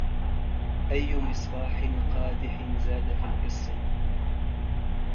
أيُّ مصباح قادحٍ زاد في الإص